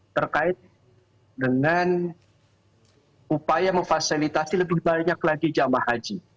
terkait dengan upaya memfasilitasi lebih banyak lagi jamaah haji